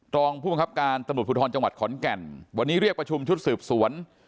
รองผู้บังคับการตำรวจภูทรจังหวัดขอนแก่นวันนี้เรียกประชุมชุดสืบสวน